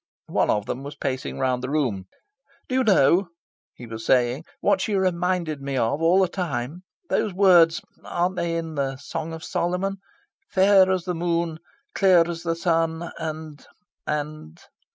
One of them was pacing round the room. "Do you know," he was saying, "what she reminded me of, all the time? Those words aren't they in the Song of Solomon? 'fair as the moon, clear as the sun, and... and...